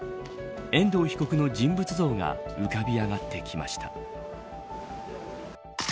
遠藤被告の人物像が浮かび上がってきました。